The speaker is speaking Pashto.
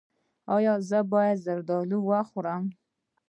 ایا زه باید زردالو وخورم؟